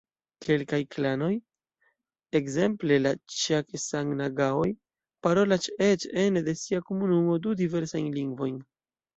Kelkaj klanoj, ekzemple la ĉakesang-nagaoj, parolas eĉ ene de sia komunumo du diversajn lingvojn.